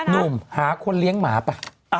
หนุ่มหาคนเลี้ยงหมาไป